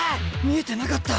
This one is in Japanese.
見えてなかった。